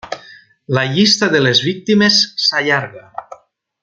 La llista de les víctimes s'allarga.